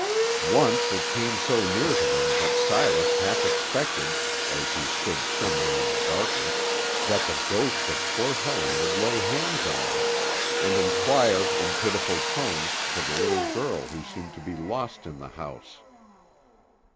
Once it came so near them that Silas half expected, as he stood trembling in the darkness, that the ghost of poor Helen would lay hands on him, and inquire in pitiful tones for the little girl who seemed to be lost in the house.